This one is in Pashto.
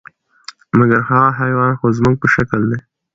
مګر هغه حیوان خو زموږ په شکل دی،